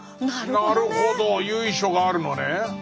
なるほど由緒があるのね。